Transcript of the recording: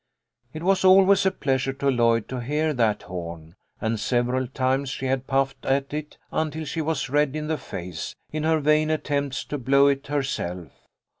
It was always a pleasure to Lloyd to hear that horn, and several times she had puffed at it until she was red in the face, in her vain attempts to blow it herself.